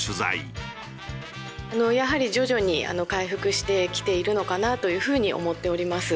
やはり徐々に回復してきているのかなという風に思っております。